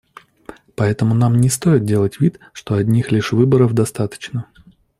Поэтому нам не стоит делать вид, что одних лишь выборов достаточно.